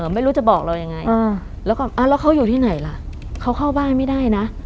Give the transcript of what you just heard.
ไม่รู้จะบอกเรายังไงแล้วก็แล้วเขาอยู่ที่ไหนล่ะเขาเข้าบ้านไม่ได้นะ